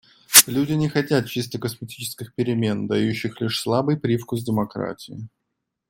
Люди не хотят чисто косметических перемен, дающих лишь слабый привкус демократии.